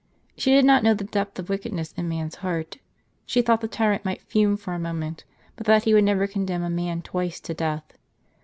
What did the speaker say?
She did not know the depth of wickedness in man's heart. She thought the tyrant might fume for a moment, but that he would never condemn a man twice to death.